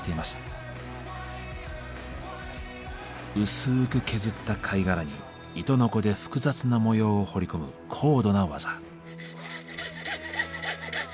薄く削った貝殻に糸のこで複雑な模様を彫り込む高度な技。